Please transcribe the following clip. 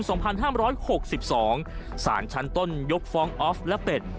สารชั้นต้นยกฟ้องออฟและเป็ด